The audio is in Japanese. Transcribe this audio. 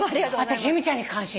私由美ちゃんに感心。